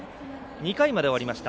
２回まで終わりました。